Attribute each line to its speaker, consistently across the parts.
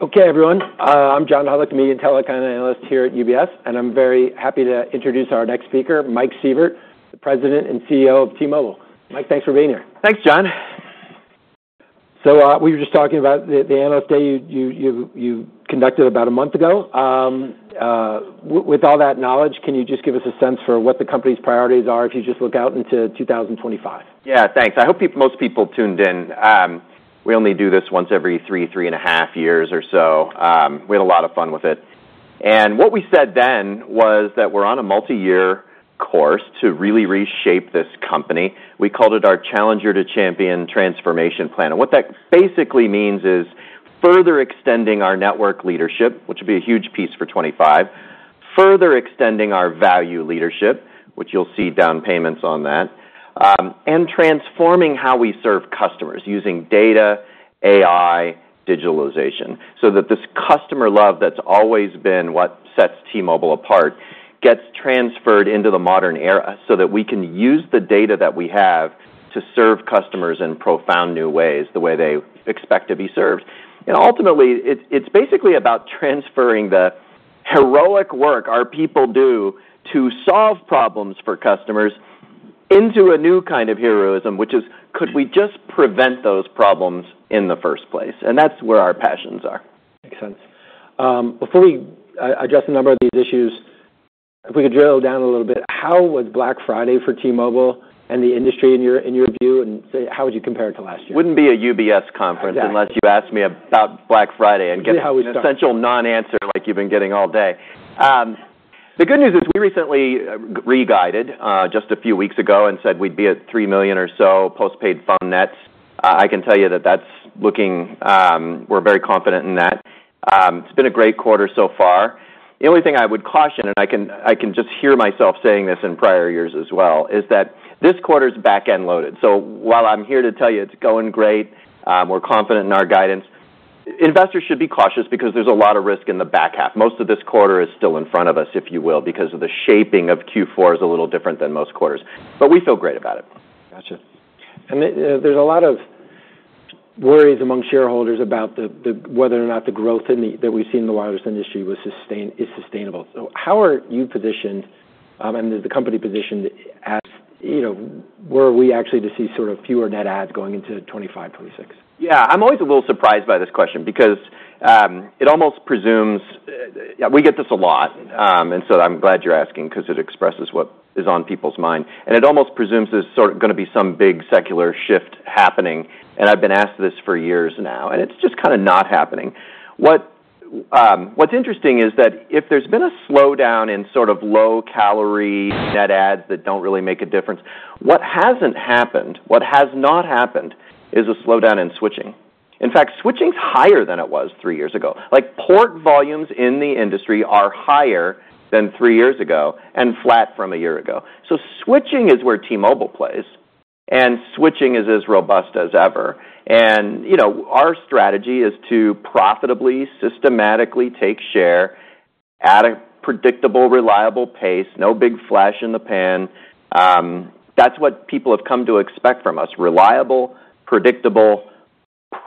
Speaker 1: Okay, everyone. I'm John Hodulik, the Media Intelligence Analyst here at UBS, and I'm very happy to introduce our next speaker, Mike Sievert, the President and CEO of T-Mobile. Mike, thanks for being here.
Speaker 2: Thanks, John.
Speaker 1: We were just talking about the analyst day you conducted about a month ago. With all that knowledge, can you just give us a sense for what the company's priorities are if you just look out into 2025?
Speaker 2: Yeah, thanks. I hope most people tuned in. We only do this once every three, three and a half years or so. We had a lot of fun with it. And what we said then was that we're on a multi-year course to really reshape this company. We called it our Challenger to Champion Transformation Plan. And what that basically means is further extending our network leadership, which will be a huge piece for 2025, further extending our value leadership, which you'll see down payments on that, and transforming how we serve customers using data, AI, digitalization so that this customer love that's always been what sets T-Mobile apart gets transferred into the modern era so that we can use the data that we have to serve customers in profound new ways the way they expect to be served. Ultimately, it's basically about transferring the heroic work our people do to solve problems for customers into a new kind of heroism, which is, could we just prevent those problems in the first place? That's where our passions are.
Speaker 1: Makes sense. Before we adjust the number of these issues, if we could drill down a little bit, how was Black Friday for T-Mobile and the industry in your view? And say, how would you compare it to last year?
Speaker 2: Wouldn't be a UBS conference.
Speaker 1: No.
Speaker 2: Unless you asked me about Black Friday and get an.
Speaker 1: Yeah, how we start.
Speaker 2: A non-answer like you've been getting all day. The good news is we recently re-guided, just a few weeks ago and said we'd be at three million or so postpaid net adds. I can tell you that that's looking, we're very confident in that. It's been a great quarter so far. The only thing I would caution, and I can, I can just hear myself saying this in prior years as well, is that this quarter's back-end loaded. So while I'm here to tell you it's going great, we're confident in our guidance, investors should be cautious because there's a lot of risk in the back half. Most of this quarter is still in front of us, if you will, because the shaping of Q4 is a little different than most quarters. But we feel great about it.
Speaker 1: Gotcha. And there's a lot of worries among shareholders about the whether or not the growth that we've seen in the wireless industry is sustainable. So how are you positioned, and is the company positioned as, you know, were we actually to see sort of fewer net adds going into 2025, 2026?
Speaker 2: Yeah. I'm always a little surprised by this question because it almost presumes. We get this a lot, and so I'm glad you're asking 'cause it expresses what is on people's mind. And it almost presumes there's sort of gonna be some big secular shift happening. And I've been asked this for years now, and it's just kinda not happening. What, what's interesting is that if there's been a slowdown in sort of low-calorie net adds that don't really make a difference, what hasn't happened, what has not happened is a slowdown in switching. In fact, switching's higher than it was three years ago. Like, port volumes in the industry are higher than three years ago and flat from a year ago. So switching is where T-Mobile plays, and switching is as robust as ever. And, you know, our strategy is to profitably, systematically take share at a predictable, reliable pace, no big flash in the pan. That's what people have come to expect from us: reliable, predictable,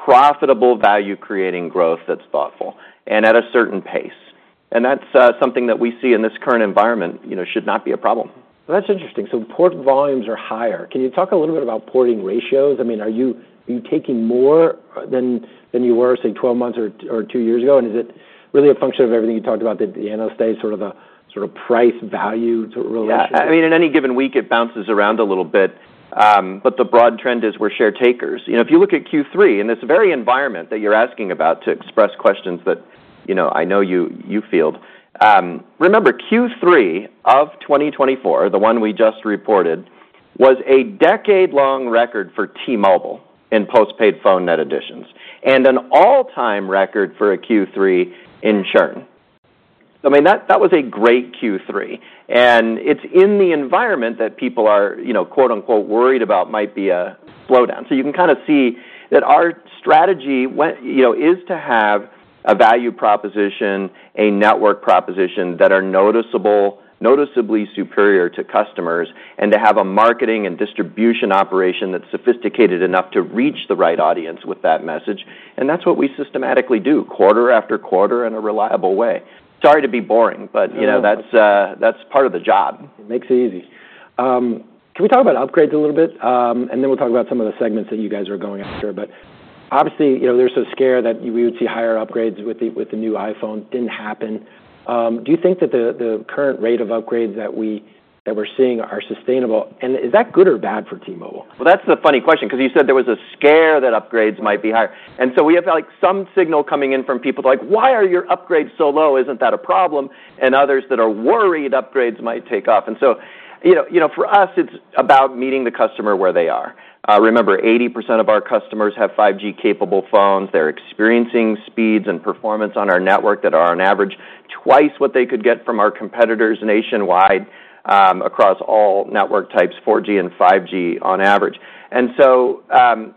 Speaker 2: profitable, value-creating growth that's thoughtful and at a certain pace. And that's something that we see in this current environment, you know, should not be a problem.
Speaker 1: That's interesting. So port volumes are higher. Can you talk a little bit about porting ratios? I mean, are you taking more than you were, say, 12 months or two years ago? And is it really a function of everything you talked about, the Analyst Day, sort of the price-value sort of relationship?
Speaker 2: Yeah. I mean, in any given week, it bounces around a little bit. But the broad trend is we're share takers. You know, if you look at Q3 in this very environment that you're asking about to express questions that, you know, I know you, you feel, remember Q3 of 2024, the one we just reported, was a decade-long record for T-Mobile in postpaid phone net additions and an all-time record for a Q3 in churn. I mean, that, that was a great Q3. And it's in the environment that people are, you know, quote-unquote, worried about might be a slowdown. So you can kinda see that our strategy went, you know, is to have a value proposition, a network proposition that are noticeable, noticeably superior to customers, and to have a marketing and distribution operation that's sophisticated enough to reach the right audience with that message. And that's what we systematically do quarter after quarter in a reliable way. Sorry to be boring, but, you know.
Speaker 1: Yeah.
Speaker 2: That's, that's part of the job.
Speaker 1: It makes it easy. Can we talk about upgrades a little bit? And then we'll talk about some of the segments that you guys are going after. But obviously, you know, there's a scare that we would see higher upgrades with the, with the new iPhone. Didn't happen. Do you think that the, the current rate of upgrades that we, that we're seeing are sustainable? And is that good or bad for T-Mobile?
Speaker 2: Well, that's the funny question 'cause you said there was a scare that upgrades might be higher. And so we have, like, some signal coming in from people like, "Why are your upgrades so low? Isn't that a problem?" And others that are worried upgrades might take off. And so, you know, you know, for us, it's about meeting the customer where they are. Remember, 80% of our customers have 5G-capable phones. They're experiencing speeds and performance on our network that are on average twice what they could get from our competitors nationwide, across all network types, 4G and 5G on average. And so,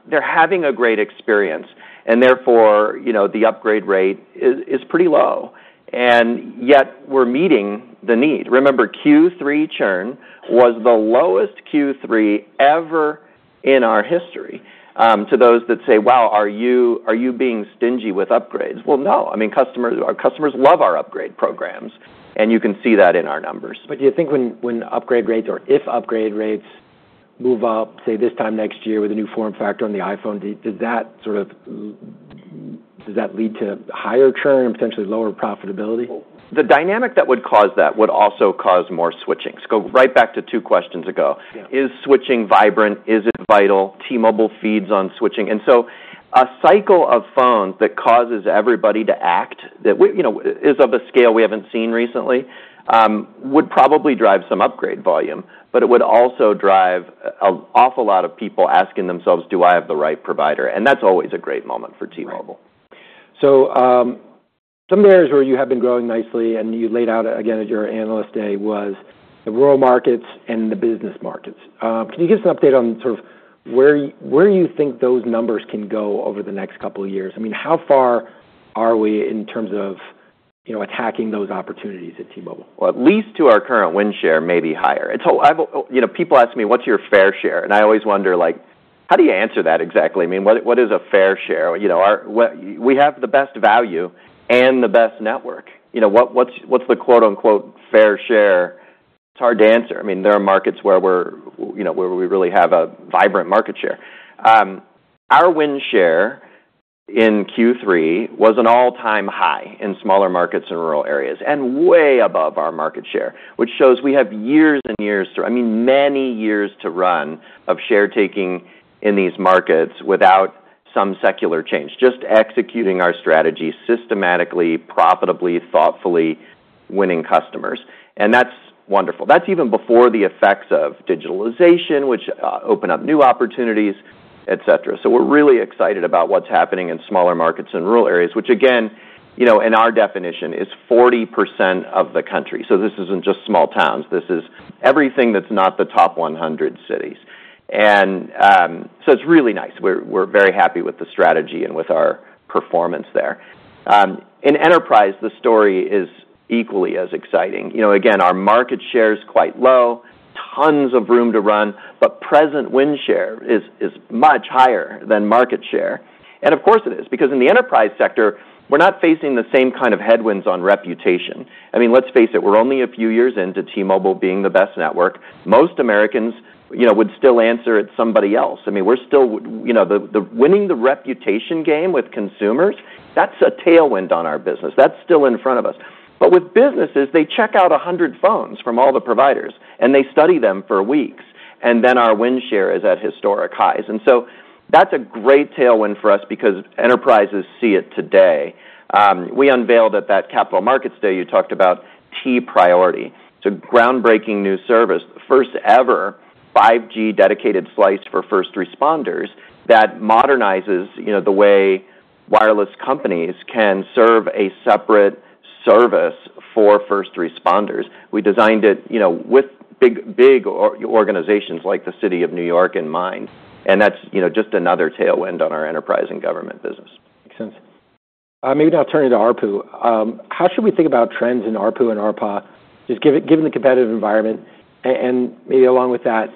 Speaker 2: they're having a great experience, and therefore, you know, the upgrade rate is, is pretty low. And yet we're meeting the need. Remember, Q3 churn was the lowest Q3 ever in our history. To those that say, "Wow, are you being stingy with upgrades?" Well, no. I mean, customers, our customers love our upgrade programs, and you can see that in our numbers.
Speaker 1: But do you think when upgrade rates or if upgrade rates move up, say, this time next year with a new form factor on the iPhone, does that sort of lead to higher churn and potentially lower profitability?
Speaker 2: The dynamic that would cause that would also cause more switching. So go right back to two questions ago.
Speaker 1: Yeah.
Speaker 2: Is switching vibrant? Is it vital? T-Mobile feeds on switching. And so a cycle of phones that causes everybody to act that we, you know, is of a scale we haven't seen recently, would probably drive some upgrade volume, but it would also drive an awful lot of people asking themselves, "Do I have the right provider?" And that's always a great moment for T-Mobile.
Speaker 1: So, some areas where you have been growing nicely and you laid out again at your analyst day was the rural markets and the business markets. Can you give us an update on sort of where, where you think those numbers can go over the next couple of years? I mean, how far are we in terms of, you know, attacking those opportunities at T-Mobile?
Speaker 2: At least to our current win share, maybe higher. It's all I've, you know, people ask me, "What's your fair share?" And I always wonder, like, how do you answer that exactly? I mean, what is a fair share? You know, or what we have the best value and the best network. You know, what's the quote-unquote fair share? It's hard to answer. I mean, there are markets where we're, you know, where we really have a vibrant market share. Our win share in Q3 was an all-time high in smaller markets in rural areas and way above our market share, which shows we have years and years to, I mean, many years to run of share taking in these markets without some secular change, just executing our strategy systematically, profitably, thoughtfully, winning customers. And that's wonderful. That's even before the effects of digitalization, which open up new opportunities, etc. So we're really excited about what's happening in smaller markets in rural areas, which again, you know, in our definition is 40% of the country. So this isn't just small towns. This is everything that's not the top 100 cities. And, so it's really nice. We're very happy with the strategy and with our performance there. In enterprise, the story is equally as exciting. You know, again, our market share's quite low, tons of room to run, but present win share is much higher than market share. And of course it is because in the enterprise sector, we're not facing the same kind of headwinds on reputation. I mean, let's face it, we're only a few years into T-Mobile being the best network. Most Americans, you know, would still answer it's somebody else. I mean, we're still, you know, the winning the reputation game with consumers, that's a tailwind on our business. That's still in front of us. But with businesses, they check out 100 phones from all the providers, and they study them for weeks, and then our win share is at historic highs. And so that's a great tailwind for us because enterprises see it today. We unveiled at that Capital Markets Day you talked about T-Priority. It's a groundbreaking new service, the first-ever 5G dedicated slice for first responders that modernizes, you know, the way wireless companies can serve a separate service for first responders. We designed it, you know, with big, big organizations like the City of New York in mind. And that's, you know, just another tailwind on our enterprise and government business.
Speaker 1: Makes sense. Maybe now turn it to ARPU. How should we think about trends in ARPU and ARPA? Just given the competitive environment and maybe along with that,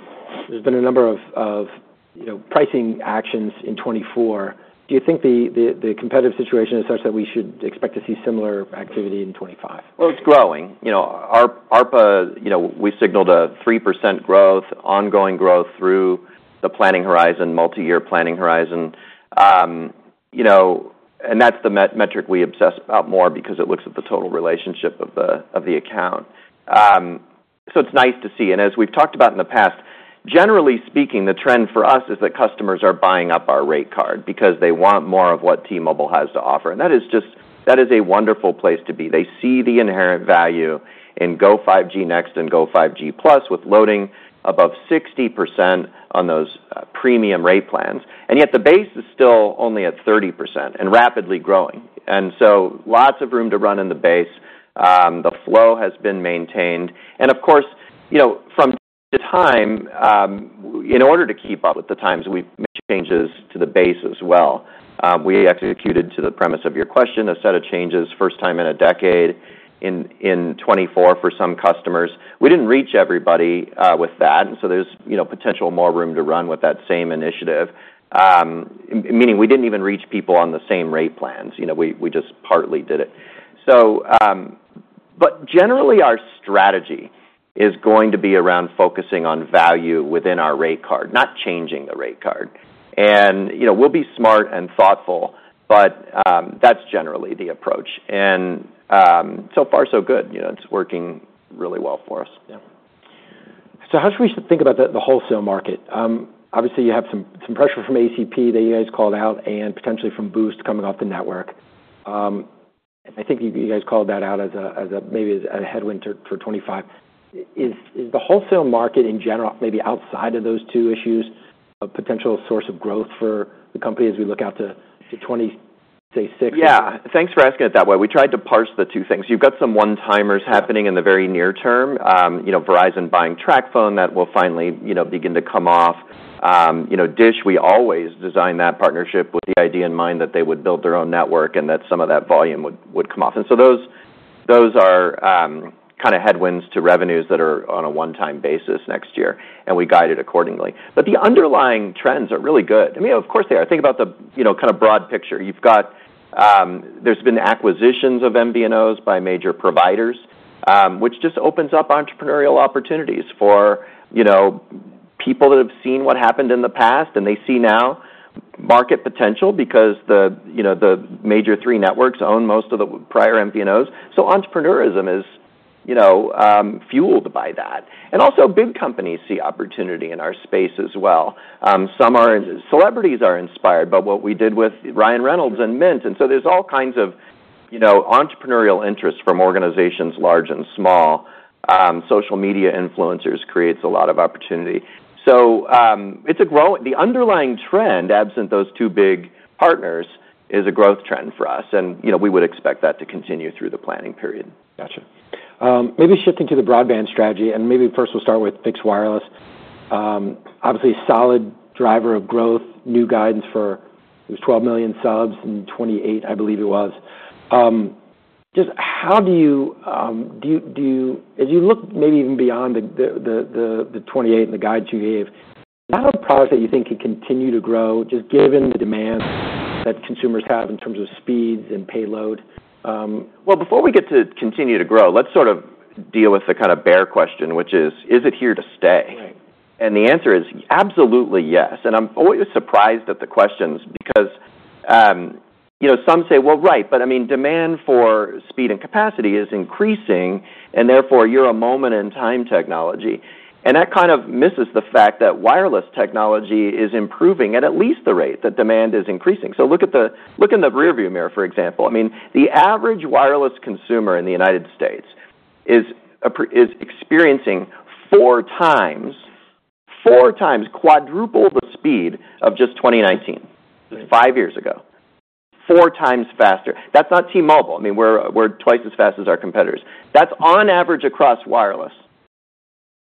Speaker 1: there's been a number of, you know, pricing actions in 2024. Do you think the competitive situation is such that we should expect to see similar activity in 2025?
Speaker 2: Well, it's growing. You know, our ARPA, you know, we signaled a 3% growth, ongoing growth through the planning horizon, multi-year planning horizon. You know, and that's the metric we obsess about more because it looks at the total relationship of the account, so it's nice to see. And as we've talked about in the past, generally speaking, the trend for us is that customers are buying up our rate card because they want more of what T-Mobile has to offer. And that is just, that is a wonderful place to be. They see the inherent value in Go5G Next and Go5G Plus with loading above 60% on those premium rate plans. And yet the base is still only at 30% and rapidly growing. And so lots of room to run in the base. The flow has been maintained. Of course, you know, from time to time, in order to keep up with the times, we've made changes to the base as well. We executed on the premise of your question a set of changes, first time in a decade in 2024 for some customers. We didn't reach everybody with that. So there's, you know, potential for more room to run with that same initiative, meaning we didn't even reach people on the same rate plans. You know, we just partly did it. But generally, our strategy is going to be around focusing on value within our rate card, not changing the rate card. You know, we'll be smart and thoughtful, but that's generally the approach. So far, so good. You know, it's working really well for us.
Speaker 1: Yeah. So how should we think about the, the wholesale market? Obviously, you have some, some pressure from ACP that you guys called out and potentially from Boost coming off the network. And I think you, you guys called that out as a, as a maybe as a headwind for, for 2025. Is, is the wholesale market in general, maybe outside of those two issues, a potential source of growth for the company as we look out to, to 2026?
Speaker 2: Yeah. Thanks for asking it that way. We tried to parse the two things. You've got some one-timers happening in the very near term. You know, Verizon buying TracFone that will finally, you know, begin to come off. You know, Dish, we always designed that partnership with the idea in mind that they would build their own network and that some of that volume would come off. And so those are kinda headwinds to revenues that are on a one-time basis next year, and we guide it accordingly. But the underlying trends are really good. I mean, of course they are. Think about the, you know, kinda broad picture. You've got. There's been acquisitions of MVNOs by major providers, which just opens up entrepreneurial opportunities for, you know, people that have seen what happened in the past and they see now market potential because the, you know, the major three networks own most of the prior MVNOs. So entrepreneurism is, you know, fueled by that. And also, big companies see opportunity in our space as well. Some are celebrities are inspired by what we did with Ryan Reynolds and Mint. And so there's all kinds of, you know, entrepreneurial interest from organizations large and small. Social media influencers create a lot of opportunity. So, it's a grow the underlying trend, absent those two big partners, is a growth trend for us. And, you know, we would expect that to continue through the planning period.
Speaker 1: Gotcha. Maybe shifting to the broadband strategy, and maybe first we'll start with fixed wireless. Obviously, solid driver of growth, new guidance for it was 12 million subs in 2028, I believe it was. Just how do you, as you look maybe even beyond the 2028 and the guidance you gave, is that a product that you think could continue to grow just given the demand that consumers have in terms of speeds and payload?
Speaker 2: Before we get to continue to grow, let's sort of deal with the kinda bear question, which is, is it here to stay?
Speaker 1: Right.
Speaker 2: The answer is absolutely yes. I'm always surprised at the questions because, you know, some say, "Well, right, but I mean, demand for speed and capacity is increasing, and therefore you're a moment in time technology." That kind of misses the fact that wireless technology is improving at least the rate that demand is increasing. Look in the rearview mirror, for example. I mean, the average wireless consumer in the United States is experiencing four times quadruple the speed of just 2019, just five years ago, 4x faster. That's not T-Mobile. I mean, we're twice as fast as our competitors. That's on average across wireless.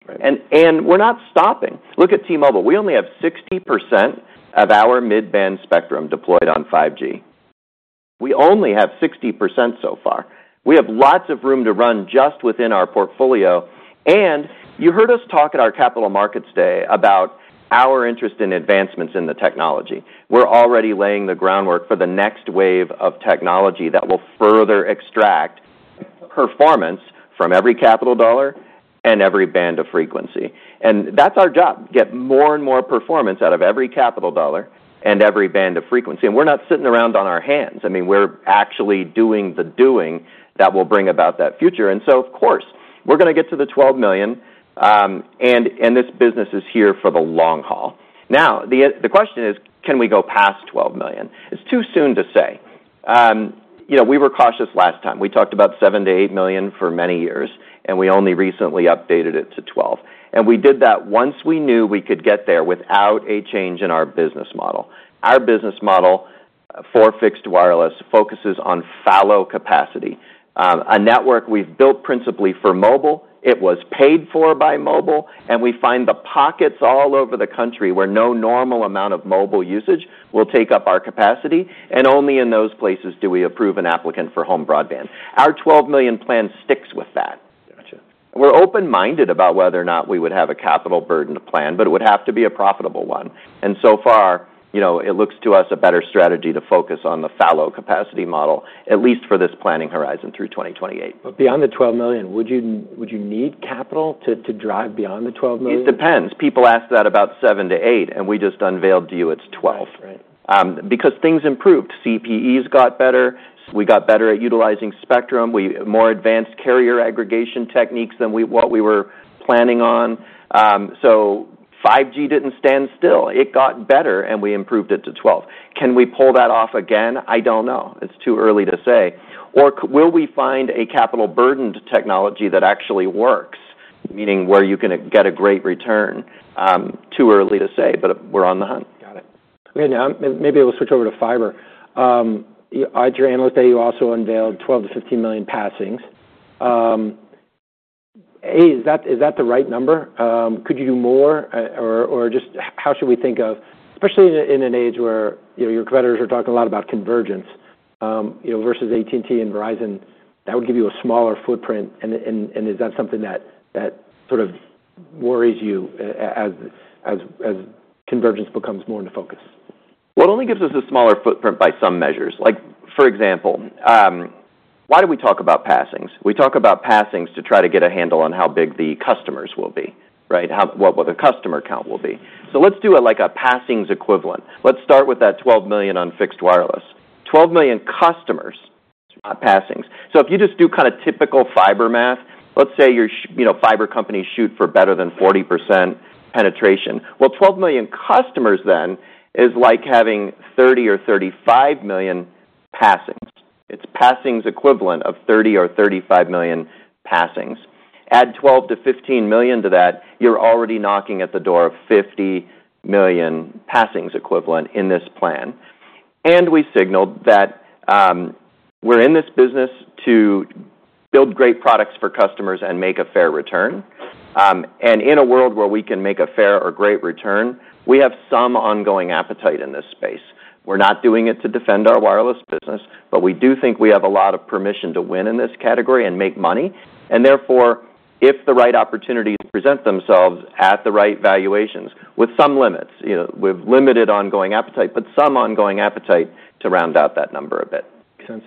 Speaker 1: Right.
Speaker 2: We're not stopping. Look at T-Mobile. We only have 60% of our mid-band spectrum deployed on 5G. We only have 60% so far. We have lots of room to run just within our portfolio. You heard us talk at our Capital Markets Day about our interest in advancements in the technology. We're already laying the groundwork for the next wave of technology that will further extract performance from every capital dollar and every band of frequency. That's our job, get more and more performance out of every capital dollar and every band of frequency. We're not sitting around on our hands. I mean, we're actually doing the doing that will bring about that future. So, of course, we're gonna get to the 12 million. This business is here for the long haul. Now, the question is, can we go past 12 million? It's too soon to say. You know, we were cautious last time. We talked about 7 million-8 million for many years, and we only recently updated it to 12. And we did that once we knew we could get there without a change in our business model. Our business model for fixed wireless focuses on fallow capacity, a network we've built principally for mobile. It was paid for by mobile. And we find the pockets all over the country where no normal amount of mobile usage will take up our capacity. And only in those places do we approve an applicant for home broadband. Our 12 million plan sticks with that.
Speaker 1: Gotcha.
Speaker 2: We're open-minded about whether or not we would have a capital burden to plan, but it would have to be a profitable one, and so far, you know, it looks to us a better strategy to focus on the fallow capacity model, at least for this planning horizon through 2028.
Speaker 1: But beyond the 12 million, would you need capital to drive beyond the 12 million?
Speaker 2: It depends. People ask that about seven to eight, and we just unveiled to you it's 12.
Speaker 1: Right.
Speaker 2: Because things improved. CPEs got better. We got better at utilizing spectrum. We more advanced carrier aggregation techniques than what we were planning on. So 5G didn't stand still. It got better, and we improved it to 12. Can we pull that off again? I don't know. It's too early to say. Or will we find a capital-burdened technology that actually works, meaning where you can get a great return? Too early to say, but we're on the hunt.
Speaker 1: Got it. Okay. Now, maybe we'll switch over to fiber. You at your analyst day, you also unveiled 12 million-15 million passings. Is that the right number? Could you do more, or just how should we think of, especially in an age where, you know, your competitors are talking a lot about convergence, you know, versus AT&T and Verizon? That would give you a smaller footprint. Is that something that sort of worries you as convergence becomes more into focus?
Speaker 2: It only gives us a smaller footprint by some measures. Like, for example, why do we talk about passings? We talk about passings to try to get a handle on how big the customers will be, right? How, what the customer count will be. So let's do, like, a passings equivalent. Let's start with that 12 million on fixed wireless. 12 million customers, not passings. So if you just do kinda typical fiber math, let's say, you know, fiber companies shoot for better than 40% penetration. 12 million customers then is like having 30 million or 35 million passings. It's passings equivalent of 30 million or 35 million passings. Add 12 million-15 million to that, you're already knocking at the door of 50 million passings equivalent in this plan. And we signaled that, we're in this business to build great products for customers and make a fair return. And in a world where we can make a fair or great return, we have some ongoing appetite in this space. We're not doing it to defend our wireless business, but we do think we have a lot of permission to win in this category and make money. And therefore, if the right opportunities present themselves at the right valuations with some limits, you know, with limited ongoing appetite, but some ongoing appetite to round out that number a bit.
Speaker 1: Makes sense,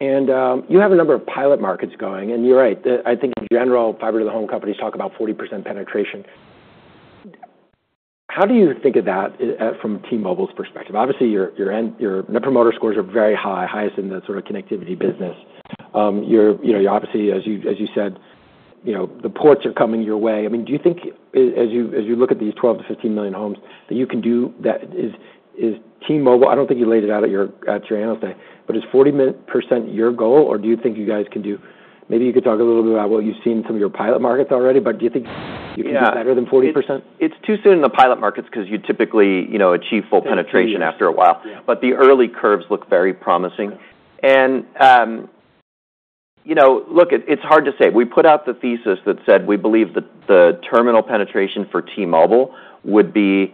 Speaker 1: and you have a number of pilot markets going, and you're right. I think in general, fiber to the home companies talk about 40% penetration. How do you think of that, from T-Mobile's perspective? Obviously, your, your end, your Net Promoter Scores are very high, highest in the sort of connectivity business. You're, you know, you're obviously, as you, as you said, you know, the ports are coming your way. I mean, do you think, as you look at these 12 million-15 million homes, that you can do that? That is, is T-Mobile, I don't think you laid it out at your analyst day, but is 40% your goal, or do you think you guys can do better than 40%? Maybe you could talk a little bit about what you've seen in some of your pilot markets already, but do you think you can do better than 40%?
Speaker 2: Yeah. It's too soon in the pilot markets 'cause you typically, you know, achieve full penetration after a while.
Speaker 1: Yeah.
Speaker 2: But the early curves look very promising. And, you know, look, it's hard to say. We put out the thesis that said we believe that the terminal penetration for T-Mobile would be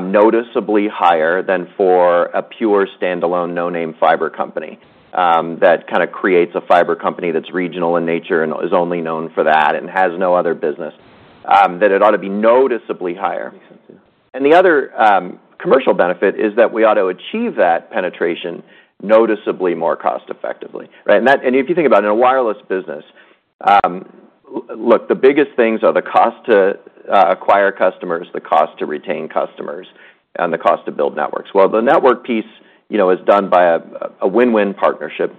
Speaker 2: noticeably higher than for a pure standalone no-name fiber company, that kinda creates a fiber company that's regional in nature and is only known for that and has no other business, that it ought to be noticeably higher.
Speaker 1: Makes sense. Yeah.
Speaker 2: The other commercial benefit is that we ought to achieve that penetration noticeably more cost-effectively, right? That, if you think about it in a wireless business, look, the biggest things are the cost to acquire customers, the cost to retain customers, and the cost to build networks. The network piece, you know, is done by a win-win partnership.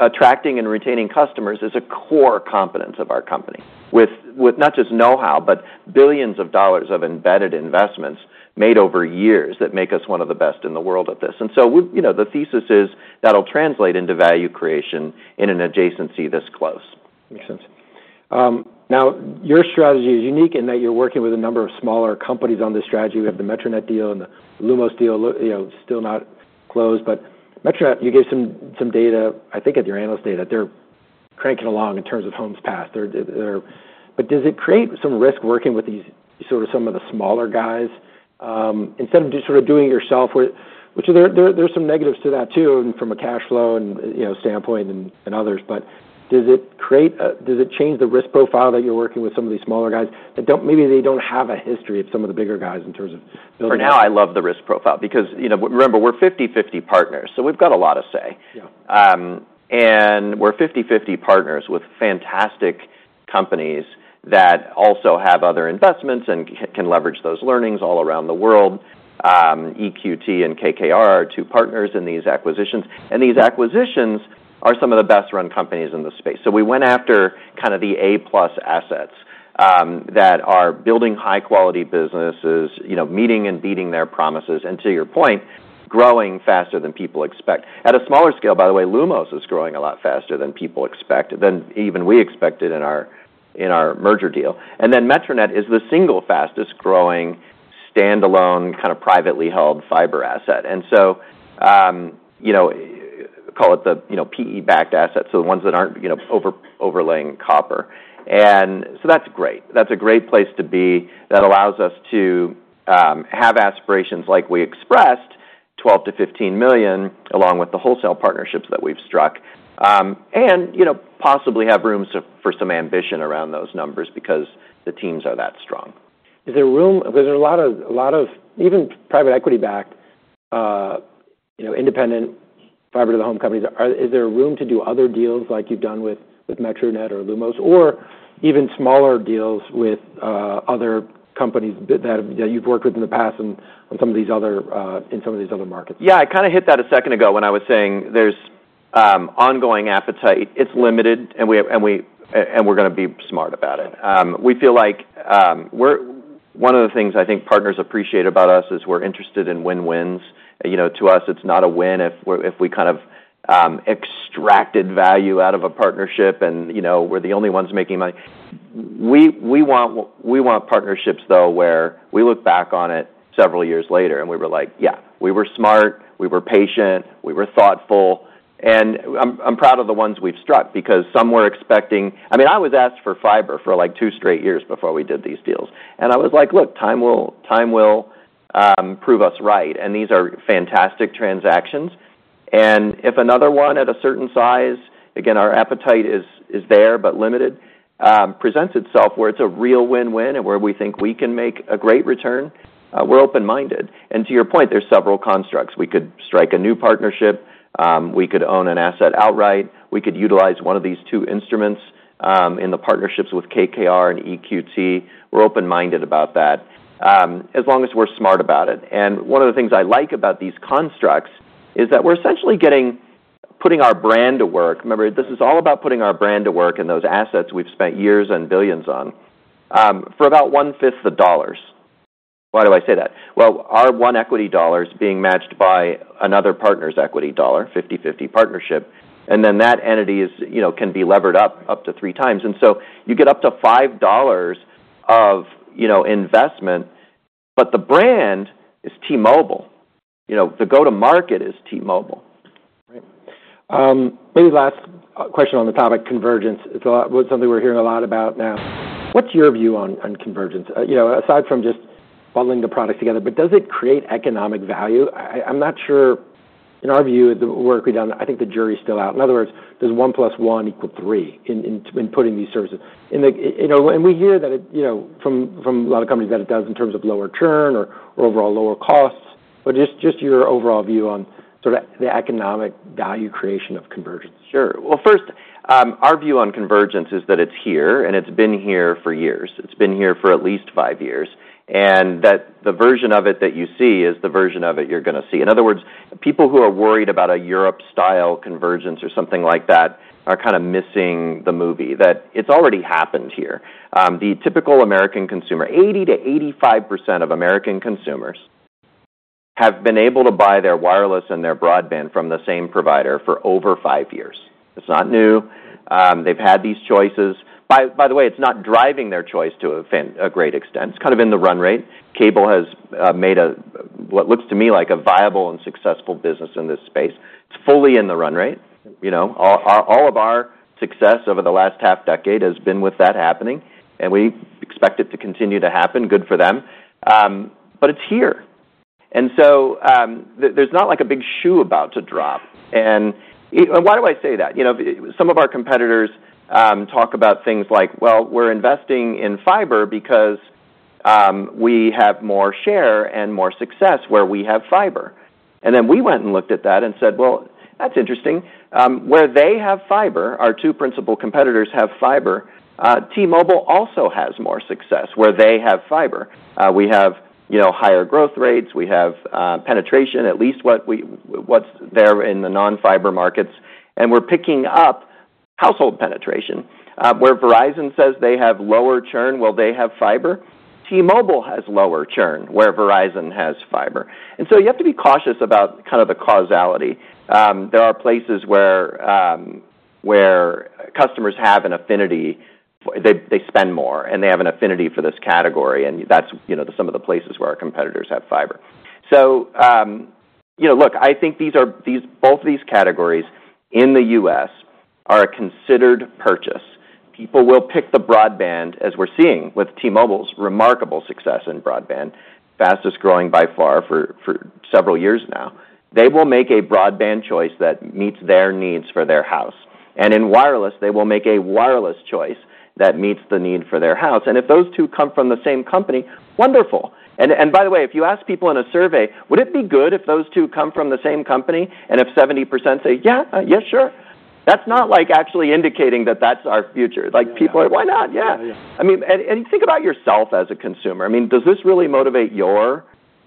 Speaker 2: Attracting and retaining customers is a core competence of our company with not just know-how, but billions of dollars of embedded investments made over years that make us one of the best in the world at this. We, you know, the thesis is that'll translate into value creation in an adjacency this close.
Speaker 1: Makes sense. Now, your strategy is unique in that you're working with a number of smaller companies on this strategy. We have the Metronet deal and the Lumos deal, you know, still not closed. But Metronet, you gave some data, I think at your analyst day, that they're cranking along in terms of homes passed. They're, but does it create some risk working with these sort of some of the smaller guys, instead of just sort of doing it yourself, which there, there's some negatives to that too and from a cash flow and, you know, standpoint and others. But does it change the risk profile that you're working with some of these smaller guys that don't, maybe they don't have a history of some of the bigger guys in terms of building?
Speaker 2: For now, I love the risk profile because, you know, remember, we're 50/50 partners, so we've got a lot to say.
Speaker 1: Yeah.
Speaker 2: And we're 50/50 partners with fantastic companies that also have other investments and can leverage those learnings all around the world. EQT and KKR are two partners in these acquisitions. These acquisitions are some of the best-run companies in the space. We went after kinda the A+ assets, that are building high-quality businesses, you know, meeting and beating their promises, and to your point, growing faster than people expect. At a smaller scale, by the way, Lumos is growing a lot faster than people expected, than even we expected in our merger deal. And then Metronet is the single fastest growing standalone kinda privately held fiber asset. And so, you know, call it the, you know, PE-backed assets, so the ones that aren't, you know, overlaying copper. And so that's great. That's a great place to be. That allows us to have aspirations like we expressed, 12 million-15 million, along with the wholesale partnerships that we've struck and you know, possibly have room for some ambition around those numbers because the teams are that strong.
Speaker 1: Is there room, because there are a lot of, a lot of even private equity-backed, you know, independent fiber to the home companies? Is there room to do other deals like you've done with Metronet or Lumos or even smaller deals with other companies that you've worked with in the past and in some of these other markets?
Speaker 2: Yeah. I kinda hit that a second ago when I was saying there's ongoing appetite. It's limited, and we're gonna be smart about it. We feel like one of the things I think partners appreciate about us is we're interested in win-wins. You know, to us, it's not a win if we kind of extracted value out of a partnership and, you know, we're the only ones making money. We want partnerships though where we look back on it several years later and we were like, "Yeah, we were smart. We were patient. We were thoughtful." And I'm proud of the ones we've struck because some were expecting, I mean, I was asked for fiber for like two straight years before we did these deals. I was like, "Look, time will, time will, prove us right." And these are fantastic transactions. And if another one at a certain size, again, our appetite is there but limited, presents itself where it's a real win-win and where we think we can make a great return, we're open-minded. And to your point, there's several constructs. We could strike a new partnership. We could own an asset outright. We could utilize one of these two instruments, in the partnerships with KKR and EQT. We're open-minded about that, as long as we're smart about it. And one of the things I like about these constructs is that we're essentially putting our brand to work. Remember, this is all about putting our brand to work and those assets we've spent years and billions on, for about 1/5 the dollars. Why do I say that? Well, our one equity dollar is being matched by another partner's equity dollar, 50/50 partnership. And then that entity is, you know, can be levered up to 3x. And so you get up to $5 of, you know, investment, but the brand is T-Mobile. You know, the go-to-market is T-Mobile.
Speaker 1: Right. Maybe last question on the topic, convergence. It's something we're hearing a lot about now. What's your view on convergence? You know, aside from just bundling the products together, but does it create economic value? I'm not sure. In our view, the work we've done, I think the jury's still out. In other words, does one plus one equal three in putting these services? And you know, and we hear that it, you know, from a lot of companies that it does in terms of lower churn or overall lower costs. But just your overall view on sort of the economic value creation of convergence.
Speaker 2: Sure. Well, first, our view on convergence is that it's here and it's been here for years. It's been here for at least five years. And that the version of it that you see is the version of it you're gonna see. In other words, people who are worried about a Europe-style convergence or something like that are kinda missing the movie that it's already happened here. The typical American consumer, 80%-85% of American consumers have been able to buy their wireless and their broadband from the same provider for over five years. It's not new. They've had these choices. By the way, it's not driving their choice to a fan a great extent. It's kind of in the run rate. Cable has made a what looks to me like a viable and successful business in this space. It's fully in the run rate. You know, all of our success over the last half-decade has been with that happening, and we expect it to continue to happen. Good for them. But it's here. And so, there's not like a big shoe about to drop. And why do I say that? You know, some of our competitors talk about things like, "Well, we're investing in fiber because we have more share and more success where we have fiber." And then we went and looked at that and said, "Well, that's interesting." Where they have fiber, our two principal competitors have fiber. T-Mobile also has more success where they have fiber. We have, you know, higher growth rates. We have penetration, at least what's there in the non-fiber markets. And we're picking up household penetration. Where Verizon says they have lower churn, well, they have fiber. T-Mobile has lower churn where Verizon has fiber. And so you have to be cautious about kinda the causality. There are places where customers have an affinity, they spend more and they have an affinity for this category. And that's, you know, some of the places where our competitors have fiber. So, you know, look, I think both of these categories in the U.S. are a considered purchase. People will pick the broadband as we're seeing with T-Mobile's remarkable success in broadband, fastest growing by far for several years now. They will make a broadband choice that meets their needs for their house. And in wireless, they will make a wireless choice that meets the need for their house. And if those two come from the same company, wonderful. And by the way, if you ask people in a survey, would it be good if those two come from the same company? And if 70% say, "Yeah, yeah, sure." That's not like actually indicating that that's our future. Like people are, "Why not? Yeah." I mean, think about yourself as a consumer. I mean, does this really motivate your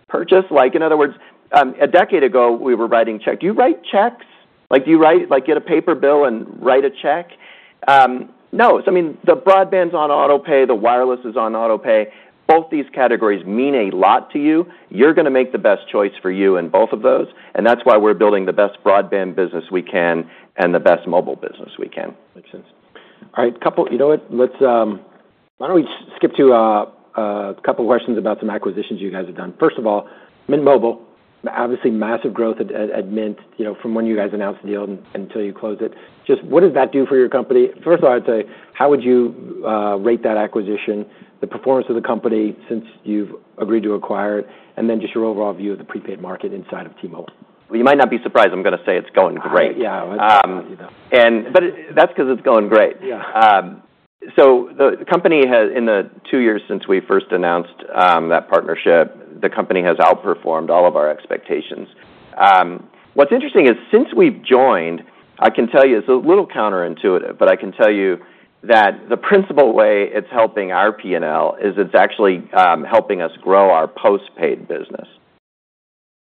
Speaker 2: purchase? Like, in other words, a decade ago, we were writing checks. Do you write checks? Like, do you write, like, get a paper bill and write a check? No. So, I mean, the broadband's on autopay, the wireless is on autopay. Both these categories mean a lot to you. You're gonna make the best choice for you in both of those. And that's why we're building the best broadband business we can and the best mobile business we can.
Speaker 1: Makes sense. All right. Couple, you know what? Let's, why don't we skip to, a couple of questions about some acquisitions you guys have done. First of all, Mint Mobile, obviously massive growth at Mint, you know, from when you guys announced the deal until you closed it. Just what does that do for your company? First of all, I'd say, how would you rate that acquisition, the performance of the company since you've agreed to acquire it, and then just your overall view of the prepaid market inside of T-Mobile?
Speaker 2: You might not be surprised. I'm gonna say it's going great.
Speaker 1: Yeah.
Speaker 2: But that's 'cause it's going great.
Speaker 1: Yeah.
Speaker 2: So the company has, in the two years since we first announced that partnership, the company has outperformed all of our expectations. What's interesting is since we've joined, I can tell you, it's a little counterintuitive, but I can tell you that the principal way it's helping our P&L is it's actually helping us grow our postpaid business.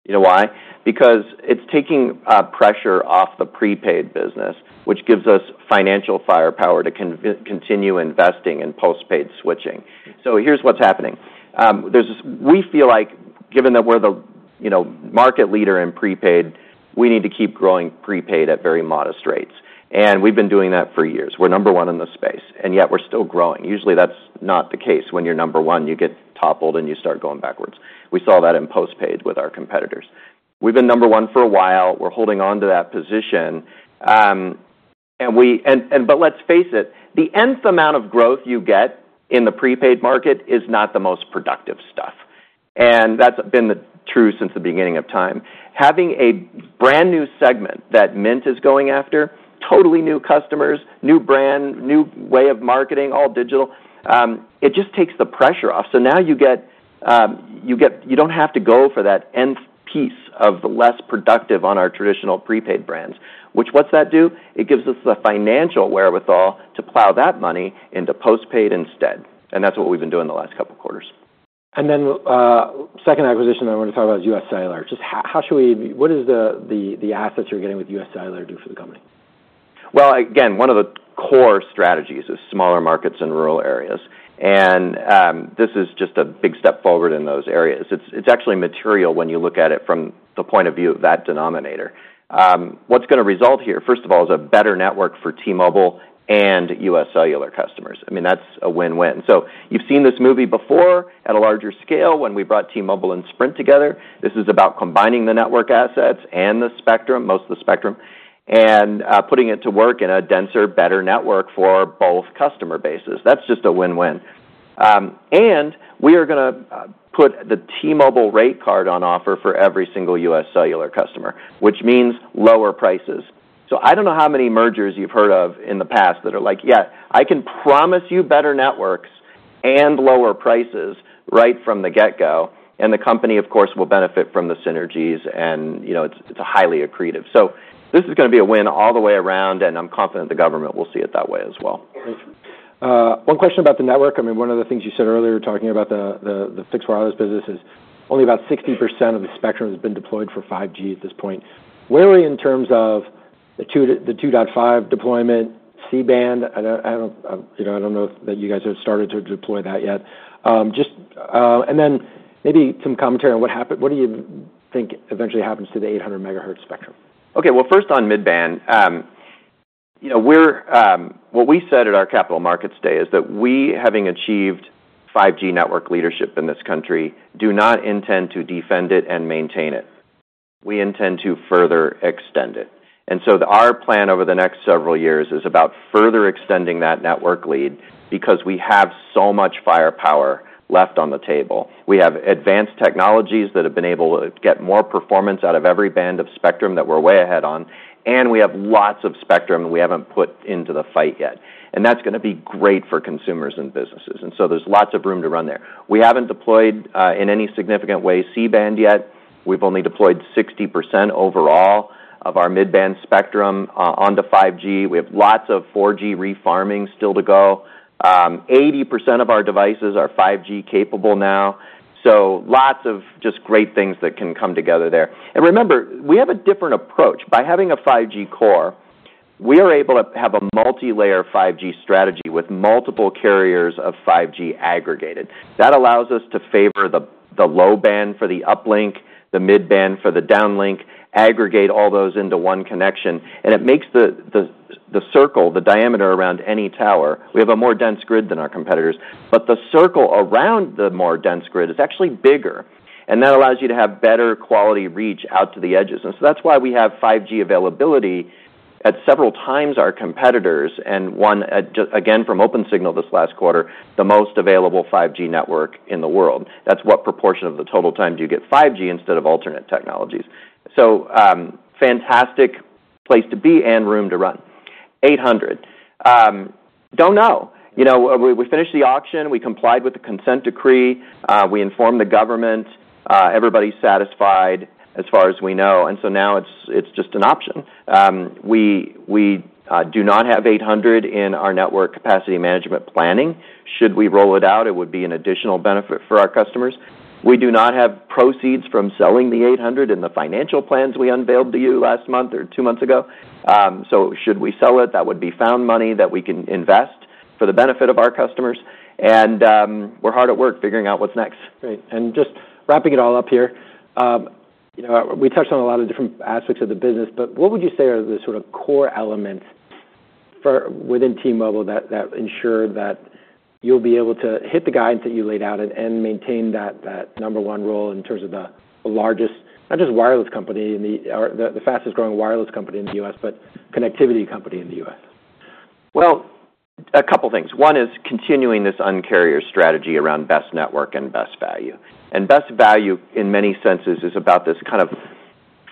Speaker 2: You know why? Because it's taking pressure off the prepaid business, which gives us financial firepower to continue investing in postpaid switching. Here's what's happening. There's this. We feel like, given that we're the, you know, market leader in prepaid, we need to keep growing prepaid at very modest rates, and we've been doing that for years. We're number one in the space, and yet we're still growing. Usually, that's not the case. When you're number one, you get toppled and you start going backwards. We saw that in postpaid with our competitors. We've been number one for a while. We're holding on to that position, and we, but let's face it, the nth amount of growth you get in the prepaid market is not the most productive stuff. And that's been true since the beginning of time. Having a brand new segment that Mint is going after, totally new customers, new brand, new way of marketing, all digital, it just takes the pressure off. So now you get, you don't have to go for that nth piece of less productive on our traditional prepaid brands, which, what's that do? It gives us the financial wherewithal to plow that money into postpaid instead. And that's what we've been doing the last couple of quarters.
Speaker 1: And then, second acquisition I want to talk about is UScellular. Just how should we, what does the assets you're getting with UScellular do for the company?
Speaker 2: Again, one of the core strategies is smaller markets in rural areas. This is just a big step forward in those areas. It's actually material when you look at it from the point of view of that denominator. What's gonna result here, first of all, is a better network for T-Mobile and UScellular customers. I mean, that's a win-win. You've seen this movie before at a larger scale when we brought T-Mobile and Sprint together. This is about combining the network assets and the spectrum, most of the spectrum, and putting it to work in a denser, better network for both customer bases. That's just a win-win. We are gonna put the T-Mobile rate card on offer for every single UScellular customer, which means lower prices. So I don't know how many mergers you've heard of in the past that are like, "Yeah, I can promise you better networks and lower prices right from the get-go." And the company, of course, will benefit from the synergies and, you know, it's, it's highly accretive. So this is gonna be a win all the way around, and I'm confident the government will see it that way as well.
Speaker 1: One question about the network. I mean, one of the things you said earlier talking about the fixed wireless business is only about 60% of the spectrum has been deployed for 5G at this point. Where are we in terms of the 2.5 deployment, C-band? I don't, you know, I don't know if you guys have started to deploy that yet. Just, and then maybe some commentary on what happened, what do you think eventually happens to the 800 MHz spectrum?
Speaker 2: Okay. Well, first on mid-band, you know, we're, what we said at our Capital Markets Day is that we, having achieved 5G network leadership in this country, do not intend to defend it and maintain it. We intend to further extend it. And so our plan over the next several years is about further extending that network lead because we have so much firepower left on the table. We have advanced technologies that have been able to get more performance out of every band of spectrum that we're way ahead on, and we have lots of spectrum we haven't put into the fight yet. And that's gonna be great for consumers and businesses. And so there's lots of room to run there. We haven't deployed, in any significant way, C-band yet. We've only deployed 60% overall of our mid-band spectrum onto 5G. We have lots of 4G refarming still to go. 80% of our devices are 5G capable now, so lots of just great things that can come together there, and remember, we have a different approach. By having a 5G core, we are able to have a multi-layer 5G strategy with multiple carriers of 5G aggregated. That allows us to favor the low band for the uplink, the mid-band for the downlink, aggregate all those into one connection, and it makes the circle, the diameter around any tower, we have a more dense grid than our competitors, but the circle around the more dense grid is actually bigger, and that allows you to have better quality reach out to the edges. And so that's why we have 5G availability at several times our competitors and won, just again from Opensignal this last quarter, the most available 5G network in the world. That's what proportion of the total time do you get 5G instead of alternate technologies. So, fantastic place to be and room to run. 800. Don't know. You know, we finished the auction. We complied with the consent decree. We informed the government. Everybody's satisfied as far as we know. And so now it's just an option. We do not have 800 in our network capacity management planning. Should we roll it out, it would be an additional benefit for our customers. We do not have proceeds from selling the 800 in the financial plans we unveiled to you last month or two months ago. So, should we sell it? That would be found money that we can invest for the benefit of our customers, and we're hard at work figuring out what's next.
Speaker 1: Great. And just wrapping it all up here, you know, we touched on a lot of different aspects of the business, but what would you say are the sort of core elements within T-Mobile that ensure that you'll be able to hit the guidance that you laid out and maintain that number one role in terms of the largest, not just wireless company in the U.S. or the fastest growing wireless company in the U.S., but connectivity company in the U.S.?
Speaker 2: A couple of things. One is continuing this Un-carrier strategy around best network and best value. And best value in many senses is about this kind of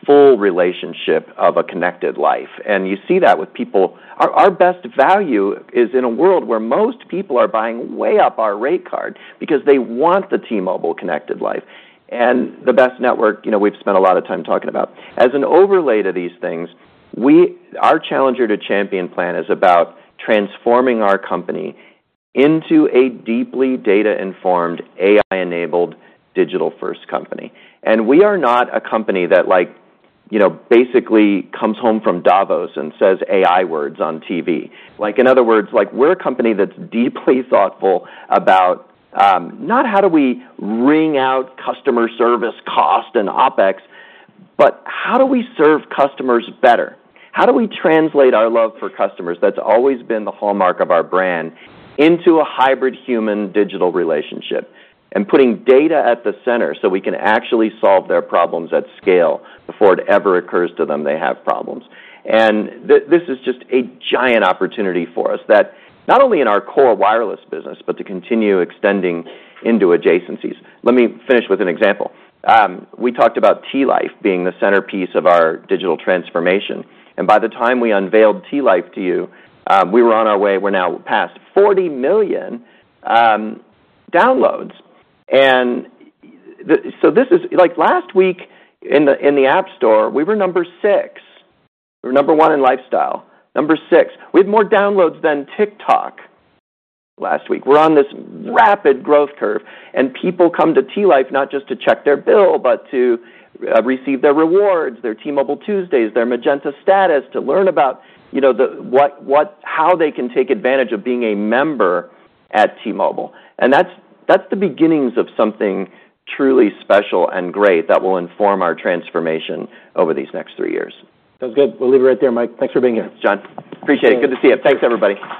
Speaker 2: full relationship of a connected life. And you see that with people. Our best value is in a world where most people are buying way up our rate card because they want the T-Mobile connected life. And the best network, you know, we've spent a lot of time talking about. As an overlay to these things, our challenger to champion plan is about transforming our company into a deeply data-informed, AI-enabled, digital-first company. And we are not a company that, like, you know, basically comes home from Davos and says AI words on TV. Like, in other words, we're a company that's deeply thoughtful about, not how do we wring out customer service cost and OpEx, but how do we serve customers better? How do we translate our love for customers that's always been the hallmark of our brand into a hybrid human-digital relationship and putting data at the center so we can actually solve their problems at scale before it ever occurs to them they have problems? And this is just a giant opportunity for us that not only in our core wireless business, but to continue extending into adjacencies. Let me finish with an example. We talked about T-Life being the centerpiece of our digital transformation. And by the time we unveiled T-Life to you, we were on our way. We're now past 40 million downloads. And so this is, like, last week in the App Store, we were number six. We were number one in lifestyle, number six. We had more downloads than TikTok last week. We're on this rapid growth curve. And people come to T-Life not just to check their bill, but to receive their rewards, their T-Mobile Tuesdays, their Magenta Status, to learn about, you know, how they can take advantage of being a member at T-Mobile. And that's the beginnings of something truly special and great that will inform our transformation over these next three years.
Speaker 1: Sounds good. We'll leave it right there, Mike. Thanks for being here.
Speaker 2: John, appreciate it. Good to see you. Thanks, everybody.